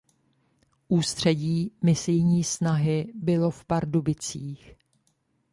Ústředí Misijní snahy bylo v Pardubicích.